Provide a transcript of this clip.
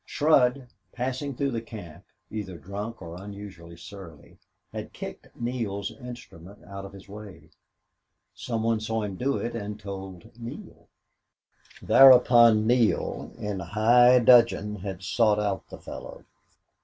Shurd, passing through the camp, either drunk or unusually surly, had kicked Neale's instrument out of his way. Some one saw him do it and told Neale. Thereupon Neale, in high dudgeon, had sought out the fellow.